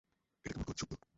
এটা কেমন সত্য?